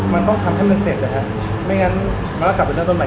มันต้องทำให้มันเสร็จนะฮะไม่งั้นมันก็กลับไปเริ่มต้นใหม่